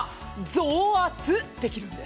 増圧できるんです。